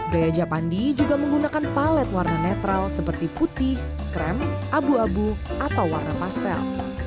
gaya japandi juga menggunakan palet warna netral seperti putih krem abu abu atau warna pastel